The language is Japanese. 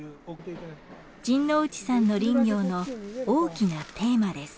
陣内さんの林業の大きなテーマです。